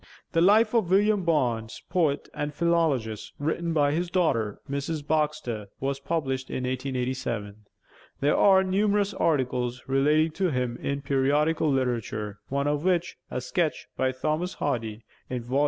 'The Life of William Barnes, Poet and Philologist,' written by his daughter, Mrs. Baxter, was published in 1887. There are numerous articles relating to him in periodical literature, one of which, a sketch by Thomas Hardy, in Vol.